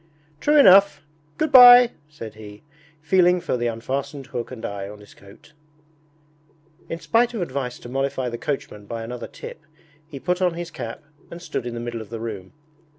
'True enough! Good bye!' said he, feeling for the unfastened hook and eye on his coat. In spite of advice to mollify the coachman by another tip, he put on his cap and stood in the middle of the room.